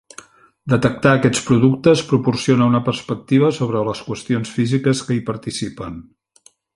Detectar aquests productes proporciona una perspectiva sobre les qüestions físiques que hi participen.